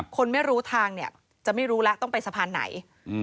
คนไม่รู้ทางเนี่ยจะไม่รู้แล้วต้องไปสะพานไหน